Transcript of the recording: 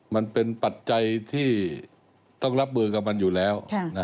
ปัจจัยที่ต้องรับมือกับมันอยู่แล้ว